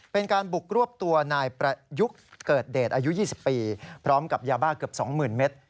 เป็นการบุกรวบตัวนายประยุกต์เกิดเดชอายุ๒๐ปีพร้อมกับยาบ้าเกือบ๒๐๐๐เมตร